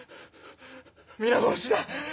皆殺しだ！